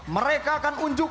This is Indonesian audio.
mereka akan unjuk